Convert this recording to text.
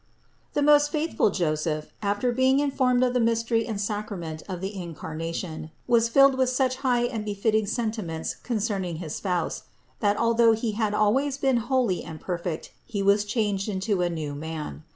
418. The most faithful Joseph, after being informed of the mystery and sacrament of the Incarnation, was filled with such high and befitting sentiments concerning his Spouse, that, although he had always been holy and perfect, he was changed into a new man.